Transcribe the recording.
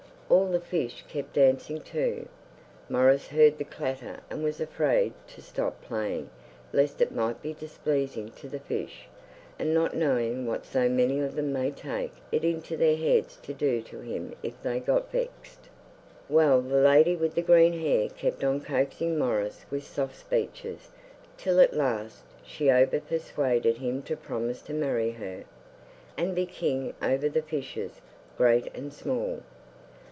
All the fish kept dancing, too; Maurice heard the clatter and was afraid to stop playing lest it might be displeasing to the fish, and not knowing what so many of them may take it into their heads to do to him if they got vexed. Well, the lady with the green hair kept on coaxing Maurice with soft speeches, till at last she over persuaded him to promise to marry her, and be king over the fishes, great and small.